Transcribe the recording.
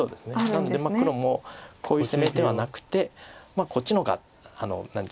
なので黒もこういう攻めではなくてこっちの方が何ていうんですか。